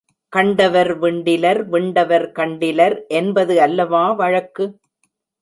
கண்டவர் விண்டிலர் விண்டவர் கண்டிலர் என்பது அல்லவா வழக்கு?